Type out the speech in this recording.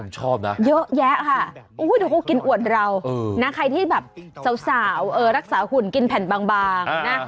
ชอบนะเยอะแยะค่ะเดี๋ยวเขากินอวดเรานะใครที่แบบสาวรักษาหุ่นกินแผ่นบางนะ